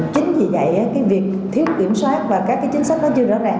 chính vì vậy cái việc thiếu kiểm soát và các cái chính sách nó chưa rõ ràng